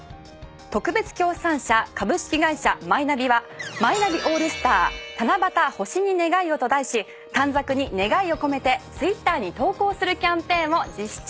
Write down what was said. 特別協賛社株式会社マイナビは「マイナビオールスター七夕星に願いを」と題しましてオールスター短冊に願いを込めてツイッターに投稿するキャンペーンを実施中！